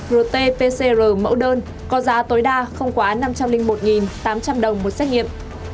rt pcr mẫu đơn có giá tối đa không quá năm trăm linh một tám trăm linh đồng một xét nghiệm